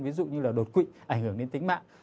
ví dụ như là đột quỵ ảnh hưởng đến tính mạng